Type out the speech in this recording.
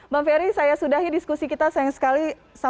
bang ferry saya sudahi diskusi kita sayang sekali